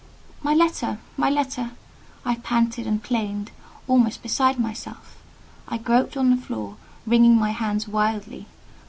"My letter! my letter!" I panted and plained, almost beside myself. I groped on the floor, wringing my hands wildly.